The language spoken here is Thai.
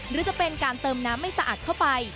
หรือจะเป็นการเติมน้ำไม่สะอาดเข้าไป